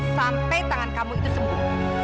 sampai tangan kamu itu sembuh